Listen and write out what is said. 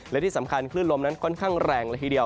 และที่สำคัญคลื่นลมนั้นค่อนข้างแรงละทีเดียว